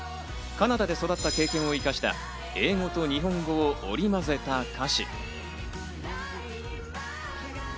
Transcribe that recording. カナダで育った経験を生かした英語と日本語を織り交ぜた歌詞。